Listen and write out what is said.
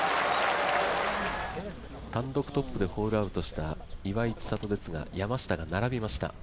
単独トップでホールアウトした岩井千怜ですが山下が並びました。